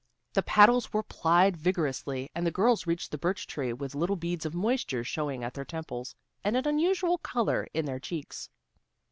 The paddles were plied vigorously, and the girls reached the birch tree with little beads of moisture showing at their temples, and an unusual color in their cheeks.